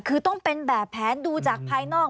คือต้องเป็นแบบแผนดูจากภายนอก